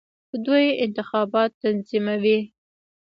دوی انتخابات تنظیموي.